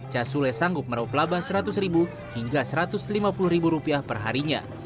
cia sule sanggup merupakan pelabah rp seratus hingga rp satu ratus lima puluh perharinya